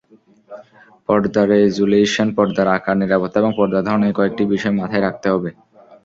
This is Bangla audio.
পর্দারেজ্যুলেশন, পর্দার আকার, নিরাপত্তা এবং পর্দার ধরন—এ কয়েকটি বিষয় মাথায় রাখতে হবে।